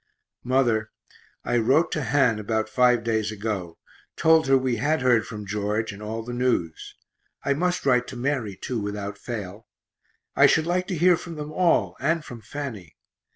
.......... Mother, I wrote to Han about five days ago; told her we had heard from George, and all the news I must write to Mary too, without fail I should like to hear from them all, and from Fanny.